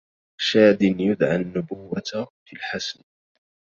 شادن يدعي النبوة في الحسن